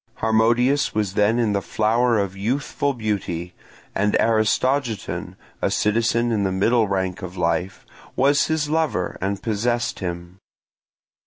Harmodius was then in the flower of youthful beauty, and Aristogiton, a citizen in the middle rank of life, was his lover and possessed him.